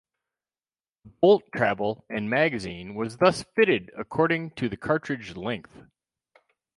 The bolt travel and magazine was thus fitted according to the cartridge length.